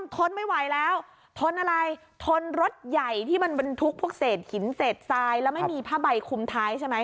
ทนไม่ไหวแล้วทนอะไรทนรถใหญ่ที่มันบรรทุกพวกเศษหินเศษทรายแล้วไม่มีผ้าใบคุมท้ายใช่ไหม